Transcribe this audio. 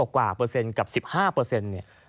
กว่าเปอร์เซ็นต์กับ๑๕เนี่ย